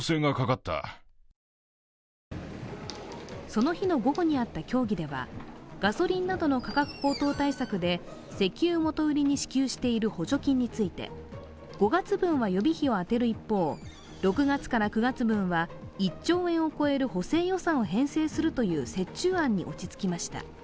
その日の午後にあった協議ではガソリンなどの価格高騰対策で石油元売りに支給している補助金について、５月分は予備費を充てる一方、６月から９月分は１兆円を超える補正予算を編成するという折衷案に落ち着きました。